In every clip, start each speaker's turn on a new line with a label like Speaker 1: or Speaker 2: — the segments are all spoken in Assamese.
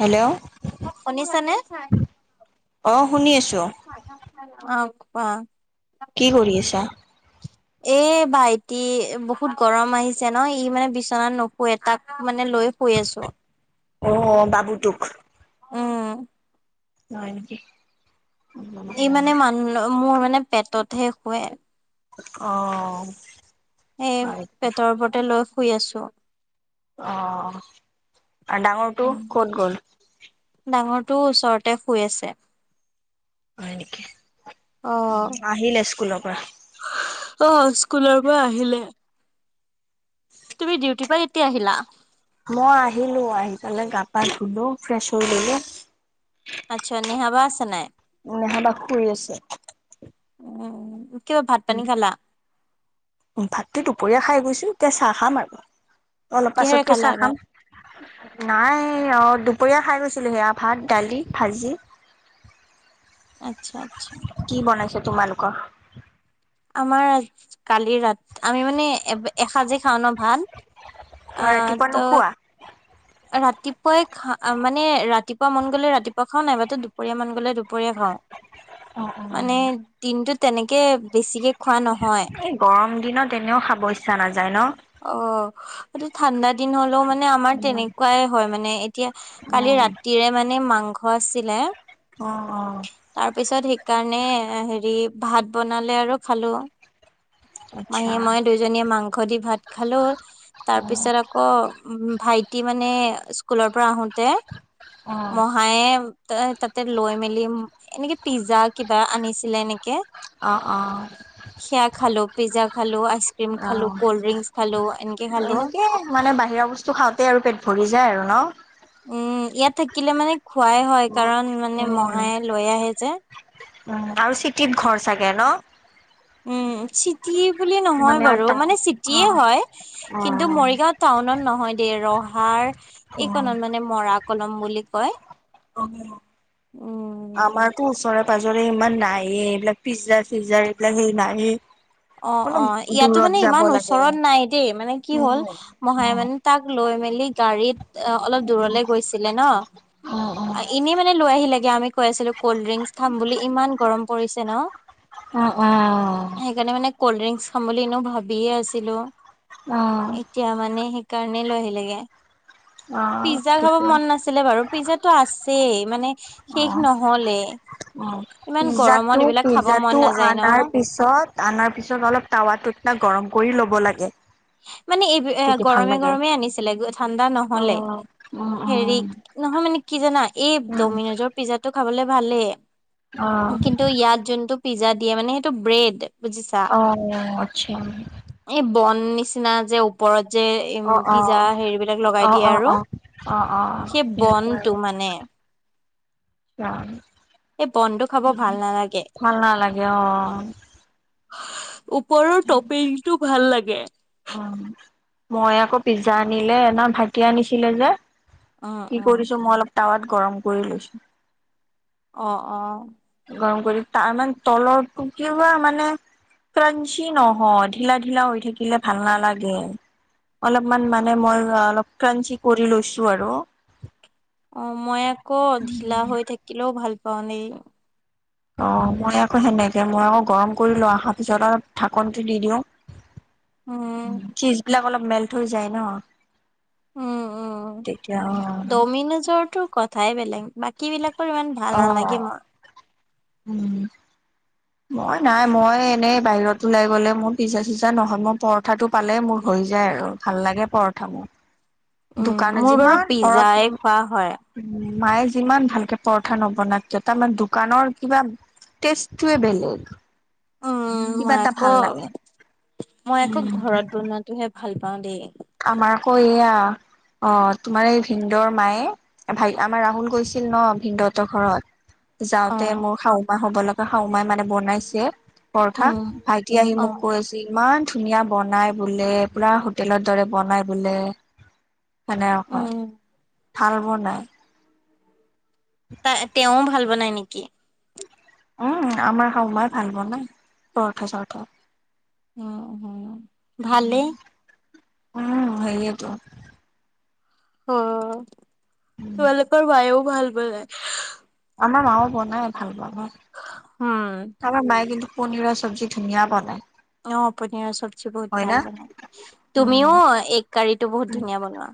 Speaker 1: হেল্ল'
Speaker 2: শুনিছা নে
Speaker 1: অ শুনি আছো
Speaker 2: অ। কোৱা।
Speaker 1: কি কৰি আছা?
Speaker 2: এ ভাইটি বহুত গৰম আহিছে ন ই মানে বিচনাত নুশুৱে তাক মানে লৈ শুই আছো।
Speaker 1: আহ বাবুটোক
Speaker 2: উম,
Speaker 1: হয় নেকি? অ
Speaker 2: এই মানে মানুহ মোৰ মানে পেটতহে শুৱে
Speaker 1: অ,
Speaker 2: এই পেটৰ ওপৰতে লৈ শুই আছো।
Speaker 1: অ আৰু ডাঙৰটো ক'ত গ'ল?
Speaker 2: টো ওচৰতে শুই আছে।
Speaker 1: হয় নেকি?
Speaker 2: অ',
Speaker 1: আহিলে স্কুলৰ পৰা।
Speaker 2: অ', স্কুলৰ পৰা আহিলে। তুমি ডিউটি পা এতিয়া আহিলা?
Speaker 1: মই আহিলো আহি পেলে গা পা ধুলো ফ্ৰেছ হৈ ললোঁ।
Speaker 2: আচ্ছা, নিহা বা আছে নাই?
Speaker 1: নেহাবা শুই আছে।
Speaker 2: উম, কিয়, ভাত পানী খালা?
Speaker 1: ভাতটো দুপৰীয়া খাই গৈছো এতিয়া চাহ খাম আৰু। অলপ
Speaker 2: কিহেৰে
Speaker 1: পাছতকে
Speaker 2: খালা
Speaker 1: চাহ
Speaker 2: ভাত?
Speaker 1: খাম নাই অঁ। দুপৰীয়া খাই গৈছিলোঁ, সেয়া ভাত, দালি, ভাজি।
Speaker 2: আচ্ছা, আচ্ছা।
Speaker 1: তোমালোক
Speaker 2: আমাৰ, কালিৰ ৰাত, আমি মানে এসাঁজে খাওঁ ন ভাত। আহ
Speaker 1: ৰাতিপুৱা
Speaker 2: ত
Speaker 1: নোখোৱা?
Speaker 2: ৰাতিপুৱাই খা, মানে, ৰাতিপুৱা মন গলে ৰাতিপুৱা খাওঁ, নাইবাতো দুপৰীয়া মন গলে দুপৰীয়া খাওঁ।
Speaker 1: অ অ
Speaker 2: মানে দিনটো তেনেকে বেছিকে খোৱা নহয়
Speaker 1: এই গৰম দিনত এনেও খাব ইচ্ছা নাযায়। ন?
Speaker 2: অ, এইটো ঠাণ্ডা দিন হ'লেও মানে মানে আমাৰ
Speaker 1: উম।
Speaker 2: তেনেকুৱাই হয় মানে এতিয়া কালি
Speaker 1: উম,
Speaker 2: ৰাতিৰে মানে মাংস আছিলে
Speaker 1: অঁ, অঁ।
Speaker 2: তাৰ পিছত সেইকাৰণে হেৰি ভাত বনালে আৰু খালো।
Speaker 1: আচ্ছা,
Speaker 2: মাহীয়ে মই দুইজনীয়ে মাংস দি ভাত খালো তাৰ
Speaker 1: অ',
Speaker 2: পিছত আকৌ ভাইটি মানে স্কুলৰ পৰা আহোতে
Speaker 1: অ',
Speaker 2: মহায়ে তাতে লৈ মেলি লৈ এনেকে পিজ্জা কিবা আনিছিলে এনেকে।
Speaker 1: অঁ অঁ
Speaker 2: সেয়া খালো পিজ্জা খালো আইচক্ৰীম খালো ক'ল্ড ড্ৰিংকচ খালো এনেকে খালো
Speaker 1: এনেকে মানে বাহিৰা বস্তু খাওঁতে আৰু পেট ভৰি যায় আৰু ন!
Speaker 2: উম, ইয়াত থাকিলে মানে খোৱাই হয় কাৰণ মানে
Speaker 1: উম,
Speaker 2: মহাই লৈ আহে যে।
Speaker 1: উম, আৰু চিটিত ঘৰ চাগে ন?
Speaker 2: উম, চি চিটি বুলি নহয়
Speaker 1: মানে
Speaker 2: বাৰু
Speaker 1: এটা
Speaker 2: মানে চিটিয়ে
Speaker 1: অ',
Speaker 2: হয় কিন্তু
Speaker 1: অ',
Speaker 2: মৰিগাঁও টাউনত নহয়। এ ৰহাৰ
Speaker 1: অ'।
Speaker 2: এইকণত মানে মৰা কলং বুলি কয়।
Speaker 1: অ',
Speaker 2: উম
Speaker 1: আমাৰতো ওচৰে পাজৰে ইমান নাইয়ে এইবিলাক পিজ্জা চিজ্জা এইবিলাক সেই নাইয়ে।
Speaker 2: অ',
Speaker 1: অলপ
Speaker 2: অ', ইয়াতো
Speaker 1: দূৰত
Speaker 2: মানে
Speaker 1: যাব
Speaker 2: ইমান
Speaker 1: লাগে।
Speaker 2: ওচৰত নাই দেই মানে কি হ'ল
Speaker 1: উম,
Speaker 2: মহাই
Speaker 1: অ',
Speaker 2: মানে তাক লৈ লৈ মেলি গাড়ীত অ', অলপ দূৰলৈ গৈছিলে ন, অ' এনেই মানে লৈ আহিলে আমি কৈ আছিলো। কল্ড ড্ৰিংকচ খাম বুলি ইমান গৰম পৰিছে ন!
Speaker 1: অ', অ', অ'।
Speaker 2: সেইকাৰণে মানে কল্ড ড্ৰিংকচ খাম বুলি এনেয়েও ভাবিয়ে আছিলো।
Speaker 1: অ',
Speaker 2: এতিয়া মানে সেই সেইকাৰণেই লৈ আহিলে গে,
Speaker 1: অ',
Speaker 2: পিজ্জা খাব
Speaker 1: সেইটো
Speaker 2: মন নাছিলে বাৰু পিজ্জাতটো আছ লেই মানে শেষ
Speaker 1: অ',
Speaker 2: নহ'লেই।
Speaker 1: অ', পিজ্জাটো
Speaker 2: মন
Speaker 1: পিজ্জাটো
Speaker 2: নাযায় ন
Speaker 1: আনাৰ পিছত আনাৰ তাৰপিছত অলপ টাৱাটোত না গৰম কৰি ল'ব লাগে।
Speaker 2: মানে এব-এ
Speaker 1: তেতিয়া ভাল
Speaker 2: গৰমে
Speaker 1: লাগে।
Speaker 2: গৰমে আনিছিলে ঠাণ্ডা নহ'লে।
Speaker 1: অ'। উম,
Speaker 2: হেৰি
Speaker 1: উম,
Speaker 2: নহয় মানে কি জানা এই
Speaker 1: উম,
Speaker 2: ড'মিনেজৰ পিজ্জাটো খাবলৈ ভালে,
Speaker 1: অ',
Speaker 2: কিন্তু ইয়াত যোনটো পিজ্জা দিয়ে মানে সেইটো ব্ৰেড। বুজিছা
Speaker 1: অ', আছা।
Speaker 2: এই বন নিচিনা যে ওপৰত যে উম
Speaker 1: অ',
Speaker 2: পিজ্জা
Speaker 1: অ',
Speaker 2: হেৰিবিলাক লগাই
Speaker 1: অ',
Speaker 2: দিয়ে
Speaker 1: অ',
Speaker 2: আৰু
Speaker 1: অ', অ', অ',
Speaker 2: সেই বন
Speaker 1: তেনেকুৱা
Speaker 2: টো
Speaker 1: আৰু।
Speaker 2: মানে
Speaker 1: অ,
Speaker 2: এই বনটো খাব ভাল নালাগে
Speaker 1: ভাল নালাগে অ।
Speaker 2: ওপৰৰ টপিংটো ভাল লাগে।
Speaker 1: উম, মই আকৌ পিজ্জা আনিলে, এনা ভাইটিয়ে আনিছিলে যে,
Speaker 2: উম
Speaker 1: কি
Speaker 2: উম
Speaker 1: কৰিছো মই অলপ টাৱাত গৰম কৰি লৈছোঁ।
Speaker 2: অ অ।
Speaker 1: গৰম কৰি, তাৰমান তলৰটো কিবা মানে, ক্ৰাঞ্চি নহয়, ঢিলা ঢিলা হৈ থাকিলে ভাল নালাগে। অলপমান মানে মই অলপ ক্ৰাঞ্চি কৰি লৈছো আৰু।
Speaker 2: অ মই আকৌ ঢিলা হৈ থাকিলেও ভাল পাওঁ দেই।
Speaker 1: অ, মই আকৌ সেনেকে মই আকৌ গৰম কৰি লোৱা অহাৰ পিছত আৰু ঢাকনটো দি দিওঁ।
Speaker 2: উম
Speaker 1: চীজ বিলাক অলপ মেল্ট হৈ যায় ন।
Speaker 2: উম উম।
Speaker 1: তেতিয়া
Speaker 2: দমিনেজৰটো ক থাই বেলেগ, বাকী বিলাকৰ ইমান ভাল
Speaker 1: অ অ
Speaker 2: নালাগে মোৰ।
Speaker 1: উম। মই নাই, মই এনেই বাহিৰত ওলাই গ'লে মোৰ পিজ্জা চিজ্জা নহয় মোৰ পৰঠাটো পালে মোৰ হৈ যায় আৰু, ভাল লাগে পৰঠা মোৰ।
Speaker 2: উম,
Speaker 1: দোকানে
Speaker 2: মোৰ বাৰু
Speaker 1: যিমান
Speaker 2: পিজ্জাই
Speaker 1: ঘৰত
Speaker 2: খোৱা হয়।
Speaker 1: মায়ে যিমান ভালকে পৰঠা নবনাওক কিয়, তাৰমানে দোকানৰ কিবা টেষ্টটোৱে বেলেগ।
Speaker 2: উম
Speaker 1: কিবা
Speaker 2: মই
Speaker 1: এটা ভাল
Speaker 2: আকৌ,
Speaker 1: লাগে
Speaker 2: মই আকৌ
Speaker 1: উম
Speaker 2: ঘৰত বনোৱাটোহে ভাল পা পাওঁ দেই।
Speaker 1: আমাৰ ক এইয়া। অ, তোমাৰ এই ভিনদৰ মায়ে, ভাই আমাৰ ৰাহুল গৈছিল ন ভিনদহঁতৰ ঘৰত। যাওঁতে মোৰ শাওু মা হ'ব লগা শাও মাই মানে বনাইছে পৰঠা
Speaker 2: উম,
Speaker 1: ভাইটি আহি মোক
Speaker 2: অ',
Speaker 1: কৈ আছে ইমান ধুনীয়া বনাই বোলে পুৰা হোটেলত দৰে বনাই বোলে সনেক ক
Speaker 2: উম,
Speaker 1: ভাল বনাই
Speaker 2: ত তেওঁও ভাল বনাই নেকি
Speaker 1: উম আমাৰ হা মাই ভাল ব নাই পৰথা চৰথা
Speaker 2: উ উ ভালে
Speaker 1: উম সেইয়টোো
Speaker 2: অ তোমালোকৰ বায়েও ভাল বনাই
Speaker 1: আমাৰ মাও বনাই ভাল বনাই
Speaker 2: উম,
Speaker 1: আমাৰ মায়ে কিন্তু পনীৰৰ স্বজী ধুনীয়া বনাই
Speaker 2: অ পনীৰৰ চবজি বহুত
Speaker 1: হয় না
Speaker 2: ভাল বনাই
Speaker 1: উম
Speaker 2: তুমিও এক কাৰীত টো বহুত ধুনীয়া বনোৱা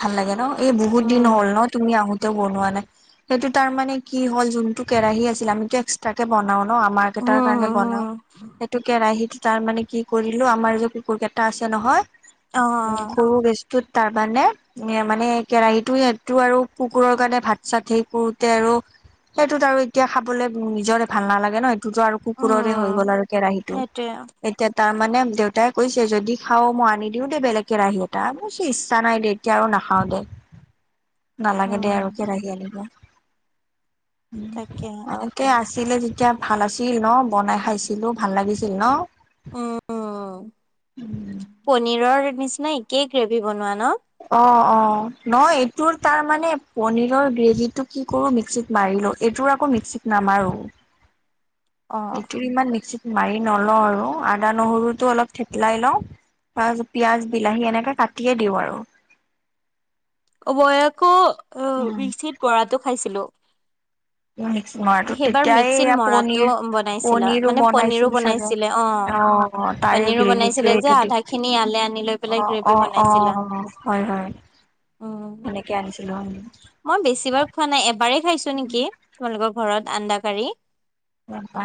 Speaker 1: ভাল লাগে ন এই বহুত দিন
Speaker 2: উম,
Speaker 1: হ'ল ন তুমি আহো বনোৱা নাই সেইটো তাৰ মানে কি হল যোনটো কেৰাহী আছিল আমিতটো এক্সট্ৰ কে বনাও আমাৰ কেইটাৰ কাৰণে বনাও
Speaker 2: উম,
Speaker 1: সেইটো কেৰাহিত তাৰ মানে কি কৰিলো আমাৰ যে কুকুৰকেইটা আছে নহয় উম
Speaker 2: অ',
Speaker 1: সৰু গেজটোত তাৰ মানে এ মানে কেৰাহীটো সহটো আৰু কুকুৰৰ কাৰণে ভাত চাত সেই কৰুৰোতে আৰু সেইটোত আৰু এতিয়া খাবলৈ নিজৰে ভাল নালাগে ন তো আৰু কুকুৰৰে হৈ
Speaker 2: উম,
Speaker 1: গ'ল আৰু কেৰাহীতটো
Speaker 2: সেইটোৱে।
Speaker 1: এতিয়া তাত মানে দেউতাই কৈছে যদি খা মই আনি দিও দেই বেলেগ কেৰাহি এটা বুজ ইচ্ছা নাই দে এতিয়া আৰু নাখাও দে নালাগে দে
Speaker 2: উম,
Speaker 1: আৰু কেৰাহী আনিব।
Speaker 2: তাকে
Speaker 1: অকে আছ। আছিলে যেতিয়া ভাল আছিল ন বনাই খাইছিলো ভাল লাগিছিল ন।
Speaker 2: উম। নিচিনাই একেই গ্ৰেভি বনোৱা ন।
Speaker 1: অ-অ ন এইটোৰ তাৰ মানে পনীৰৰ গ্ৰেভি টো কি কৰো মিক্সিত মাৰি। এইটোৰ আকৌ মিক্সিত নাম আৰুো
Speaker 2: অ'।
Speaker 1: এইটোৰ ইমান মিক্সিত। মাৰি নলওঁ আৰু আদা নহৰুটো অলপ থেতেলাই লওঁ। তাৰছত পিয়য়াজ বিলাহী এনেকে কাটিয়ে দিওঁ আৰু।
Speaker 2: অৱয়েকৌ
Speaker 1: উম
Speaker 2: অসিত বৰাটো খাইছিলো।
Speaker 1: মিক্স মৰাটো তেতিয়াই
Speaker 2: মিক্সিত
Speaker 1: এয়া
Speaker 2: মৰাটো
Speaker 1: পনিৰ
Speaker 2: বনাইছিলা
Speaker 1: পনীৰো
Speaker 2: মানে পনীৰো
Speaker 1: বনাইছিল চাগ অ',
Speaker 2: বনাইছিলে
Speaker 1: অ' তাৰে
Speaker 2: পনীৰো বনাইছিলে
Speaker 1: গ্ৰেভিটোৱে
Speaker 2: যে আধা খিনি ইয়ালে আনি লৈ পেলাই
Speaker 1: এইটো
Speaker 2: গ্ৰেভি
Speaker 1: অ-অ-অ
Speaker 2: বনাইছিলা।
Speaker 1: হয়-হয়।
Speaker 2: উম।
Speaker 1: এনেকে আনিছিলো।
Speaker 2: মই বেছি বাৰ খোৱা নাই এবাৰেই খাইছো নেকি তোমালোকৰ ঘৰত আন্দা কাৰি।
Speaker 1: এবা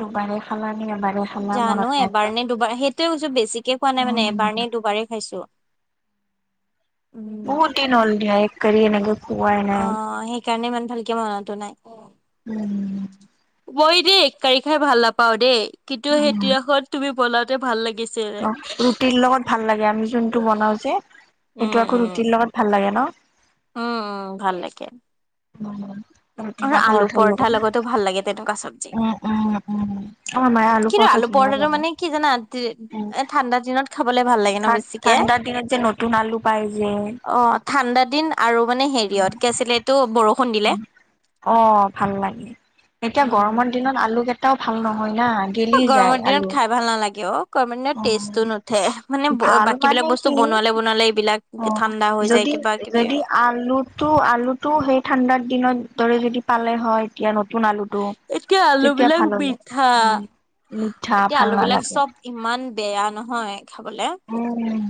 Speaker 1: দুবাৰে খালা। নে এবাৰে খালা
Speaker 2: জানো
Speaker 1: মনত নাই
Speaker 2: এবাৰ
Speaker 1: ৰবা।
Speaker 2: নে দুবাৰ সেইটোয়ে কছো বেছিকে খোৱা নাই মানে
Speaker 1: উম
Speaker 2: এবাৰ নে দুবাৰেই খাইছো।
Speaker 1: বহুত দিন হল দীয়া এক কৰি এনে গল।
Speaker 2: অহ, সেইকাৰণে ইমান ভালকে মনো নাই।
Speaker 1: উম
Speaker 2: মই দেই এক কাৰী খাই ভাল নাপাও দেই কিন্তু সেই
Speaker 1: উম
Speaker 2: তিনাখত তুমি বনাওঁতে ভাল লাগে।
Speaker 1: অ' ৰুটিৰ লগত ভাল লাগে। আমি যোনটো বনাও যে সেইটো আকৌ ৰুটিৰ লগত ভাল লাগে ন।
Speaker 2: উম-উম ভাল লাগে।
Speaker 1: উ আৰু
Speaker 2: আৰু
Speaker 1: কিবা পাৰ
Speaker 2: আলু
Speaker 1: অঠ
Speaker 2: পৰঠাৰ
Speaker 1: লগত
Speaker 2: লগতো ভাল লাগে তেনেকুৱা চব্জি।
Speaker 1: উম-উম-উম,
Speaker 2: কিন্তু আলু পৰঠাটো মানে কি জানা ৰা
Speaker 1: উম,
Speaker 2: এ ঠাণ্ডা দিনত খাবলে। ভাল লাগে ন
Speaker 1: ঠান
Speaker 2: বেছিকে
Speaker 1: ঠাণ্ডা দিনত যে নতুন আলু পাই যে
Speaker 2: অ ঠাণ্ডা দিন আৰু মানে হেৰি। কে আছিলে এইটো বৰষুণ। দিলে।
Speaker 1: অ' ভাল লাগে এতিয়া
Speaker 2: অ
Speaker 1: গৰমৰ দিনত আলু। তটাও ভাল নহয় না গেলি যায়
Speaker 2: গৰমৰ দিনত
Speaker 1: আলু
Speaker 2: খাই ভাল নালাগে অ গৰমৰ দিনত
Speaker 1: অ
Speaker 2: টেষ্টটো নুঠে মানে
Speaker 1: ভাল
Speaker 2: বাকী
Speaker 1: মানে
Speaker 2: বিলাক বস্তু
Speaker 1: কি
Speaker 2: বনোৱালে বনোৱালে এইবিলাক
Speaker 1: অ
Speaker 2: ঠাণ্ডা হৈ যায়
Speaker 1: যদি
Speaker 2: কিবা কিবি।
Speaker 1: যদি আলুত। তটো আলুতটো সেই ঠাণ্ডাৰ দিনৰ দৰে যদি পালে হয় এতিয়া। সোনালুটো
Speaker 2: এতিয়া আলু
Speaker 1: তেতিয়া
Speaker 2: বিলাক
Speaker 1: ভাল হ'ল
Speaker 2: মিঠা
Speaker 1: উম, মিঠা
Speaker 2: এতিয়া
Speaker 1: ভাল
Speaker 2: আলু বিলাক
Speaker 1: নালাগে
Speaker 2: চব ইমান বেয়া নহয়। খাবলে।
Speaker 1: উম,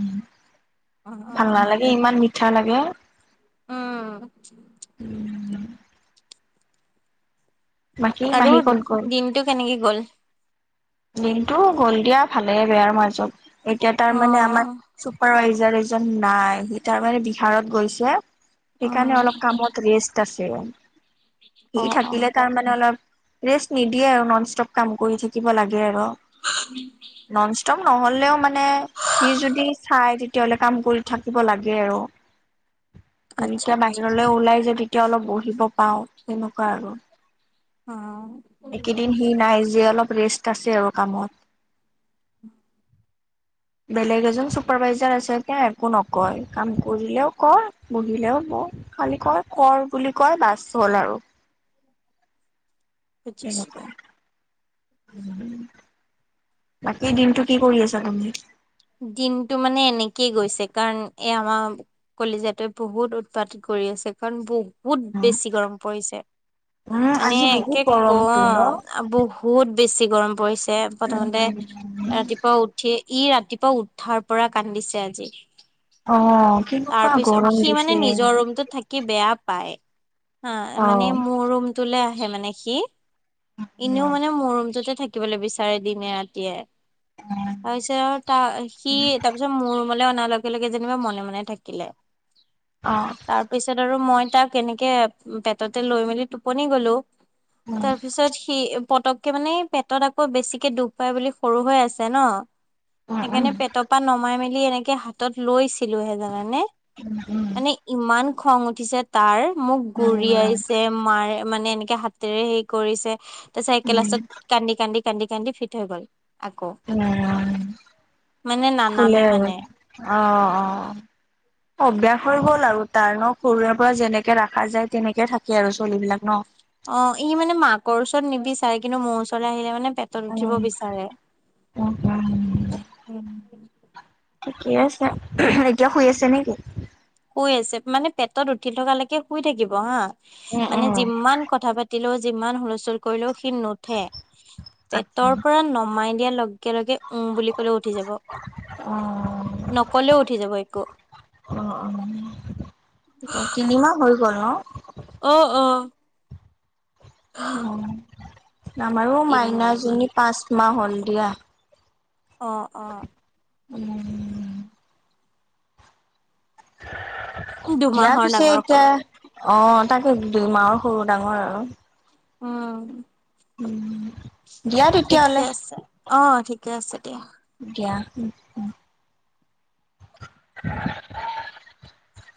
Speaker 2: উম
Speaker 1: ভাল নালাগে ইমান মিঠা লাগে।
Speaker 2: উম,
Speaker 1: উম, বাকী
Speaker 2: আৰু
Speaker 1: মাহী ক'ত
Speaker 2: দিনতটো কেনেকে গ'ল।
Speaker 1: দিনতটো গ'ল দিয়া ভালে বেয়াৰ মাজত। এতিয়া তাৰ
Speaker 2: অ
Speaker 1: মানে আমাৰ চুপাৰভাইজাৰ এজন নাই সি তাৰমানানে বিহাৰত গৈছে।
Speaker 2: উম
Speaker 1: সেইকাৰণে অলপ কামত ৰেষ্ট আছে
Speaker 2: অ
Speaker 1: সি
Speaker 2: অ
Speaker 1: থাকিলে তাৰমানানে অলপ। ৰেষ্ট নিদিয়ে আৰু নন ষ্টপ কাম কৰি থাকিব লাগে আৰু।
Speaker 2: উম,
Speaker 1: নন ষ্টপ নহ'লেও মানে সি যদি চাই তেতিয়াাহলে কাম কৰি থাকিব লাগে আৰু।
Speaker 2: আচ্ছা
Speaker 1: এতিয়া
Speaker 2: আচ্ছা
Speaker 1: বাহিৰলৈ ওলাই যোয় তেতিয়া অলপ বহিব পাও তেনেকুৱা আৰু।
Speaker 2: অ',
Speaker 1: একেদিন সি নাই যে অলপ ৰেষ্ট আছে আৰু কামত।
Speaker 2: উম,
Speaker 1: [unintelligible] বেলেগ এজন চুপাৰভাইজাৰ আছে তেওঁ একো নকয় কাম কৰিলেও ক বহিলেও বহ। খালি ক কৰ বুলি কয় বাছ হ'ল আৰু।
Speaker 2: বুজিছো।
Speaker 1: সনেকে। বাকেই দিনতটো কি কৰি আছা তুমি।
Speaker 2: দিনতটো মানে এনেকেই গৈছে কাৰণ এ আমাৰ কলিজা বহুত উৎপাত। কৰি আছে কাৰণ বহুত
Speaker 1: উম
Speaker 2: বেছি গৰম পৰিছে। মানে
Speaker 1: আজি বহুত গৰমটো ন
Speaker 2: কম বহুত বেছি গৰম পৰিছে প্ৰথমতে ৰাতিপুৱা উঠি ই ৰাতিপুৱ উঠাৰ পৰা কান্দিছে আজি।
Speaker 1: অ',
Speaker 2: তাৰ
Speaker 1: কেনেকুৱা
Speaker 2: পিছত
Speaker 1: গৰম
Speaker 2: সি মানে
Speaker 1: দিছে
Speaker 2: নিজৰ ৰুমটোত থাকি বেয়া পায়। হা
Speaker 1: অ
Speaker 2: মানে মোৰ ৰুমটোলৈ আহে মানে সি এনেও মানে মোৰ ৰুমটোতে শিকিবলৈ বিচাৰে দিনে ৰাতিয়ে তাৰপিছত তাৰ সি তাৰপিছত মোৰ মোলে অনাৰ লগে - লগে যেনিবা মনে - মনে থাকিলে
Speaker 1: অ
Speaker 2: তাৰ পিছত আৰু মই তাক কেনেকে পেটতে লৈ মেলি টোপনি গলো
Speaker 1: উম
Speaker 2: তাৰ পিছত সি পতককে মানে পেটত আকৌ বেছিকে দুখ পায় বুলি সৰু হৈ আছে ন।
Speaker 1: উম উম উম
Speaker 2: সেইকাৰণে পেটৰ পৰা নমাই মেলি এনেকে হাতত লৈছিলে। মানে-
Speaker 1: উম
Speaker 2: মানে ইমান খং উঠিছে তাৰ মোক
Speaker 1: উম
Speaker 2: গুৰিয়াইছে মাৰে মানে এনেকে হাতেৰে হেই কৰিছে। চাইকেল
Speaker 1: উম
Speaker 2: আছে
Speaker 1: উম
Speaker 2: কান্দি - কান্দি - কান্দি - কান্দি ফিট হৈ গ'ল। আকৌ
Speaker 1: উম,
Speaker 2: মানে
Speaker 1: শুলে
Speaker 2: নানামে
Speaker 1: আৰু
Speaker 2: মানে
Speaker 1: অ - অ। অভ্যাস হৈ গ'ল আৰু তাৰ ন সৰুৰে পৰা যেনেকে ৰাখা যায় তেনেকে থাকে আৰু চলিবিলাক ন।
Speaker 2: অ, ই মানে মাকৰ ওচৰত নিবিচাৰে কিন্তু মোৰ ওচৰলৈ আহিলে। পেটত উঠিব
Speaker 1: উম
Speaker 2: বিচাৰে
Speaker 1: উম উম।
Speaker 2: উম,
Speaker 1: থিকে আছে এতিয়া শুই আছে নেকি?
Speaker 2: শুই আছে মানে পেটত উঠি থকালৈকে শুই থাকিব হা
Speaker 1: উম
Speaker 2: মানে
Speaker 1: উম।
Speaker 2: যিমান কথা পাতিলেও যিমান হুলস্থুল কৰিলেও। নুঠে পেটৰ পৰা নমাই দিয়াৰ লগে - লগে উম, বুলি কলেও উঠি যাব
Speaker 1: অ।
Speaker 2: নকলেও উঠি যাব একো
Speaker 1: উম, তিনিমাহ হৈ গ'ল ন।
Speaker 2: অ - অ।
Speaker 1: উম, আমাৰো
Speaker 2: তিনি
Speaker 1: মাইনা‌জনী পাচ মাহ হল দিয়া।
Speaker 2: অ - অ।
Speaker 1: [inaudible] দিয়া
Speaker 2: দুমাহৰ
Speaker 1: পিছে
Speaker 2: ডাঙৰ
Speaker 1: এতিয়া
Speaker 2: সৰু
Speaker 1: অ, তাকে দুই মাহৰ সৰু ডাঙৰ আৰু।
Speaker 2: উম,
Speaker 1: [inaudible] দিয়া
Speaker 2: ঠিকে
Speaker 1: তেতিয়াহ'লে
Speaker 2: আছে অ, ঠিকে আছে দিয়া।
Speaker 1: দিয়া। [inaudible]